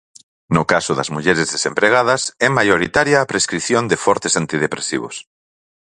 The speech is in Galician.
No caso das mulleres desempregadas é maioritaria a prescrición de fortes antidepresivos.